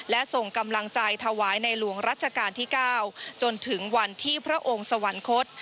และส่งกำลังใจถวายในหลวงรัชกาลที่๙จนถึงวันที่พระองค์สวรรคต